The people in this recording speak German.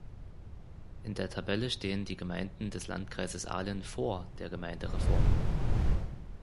In der Tabelle stehen die Gemeinden des Landkreises Aalen "vor" der Gemeindereform.